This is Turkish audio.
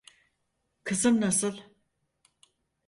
Kızım nasıl?